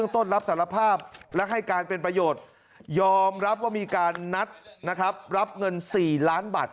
ต้นรับสารภาพและให้การเป็นประโยชน์ยอมรับว่ามีการนัดนะครับรับเงิน๔ล้านบาท